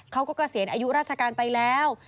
เกษียณอายุราชการไปแล้ว